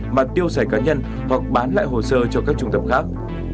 mà tiêu sẻ cá nhân hoặc bán lại hồ sơ cho các trung tập khác